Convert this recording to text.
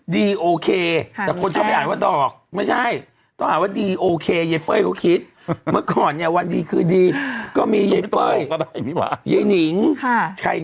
ดีโอเคแต่คนชอบคืออย่างดอกไม่ใช่